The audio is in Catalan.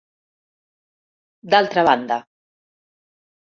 D'altra banda.